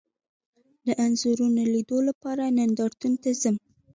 د انځورونو لیدلو لپاره نندارتون ته ځم